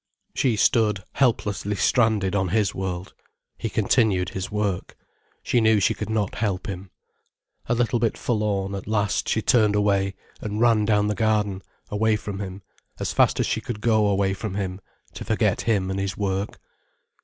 She stood helplessly stranded on his world. He continued his work. She knew she could not help him. A little bit forlorn, at last she turned away, and ran down the garden, away from him, as fast as she could go away from him, to forget him and his work.